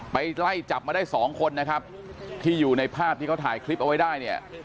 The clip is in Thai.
ไปไล่จับมาได้สองคนนะครับที่อยู่ในภาพที่เขาถ่ายคลิปเอาไว้ได้เนี่ย